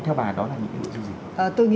theo bà đó là những cái quy định gì